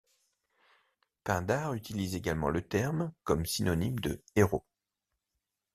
Pindare utilise également le terme comme synonyme de héros.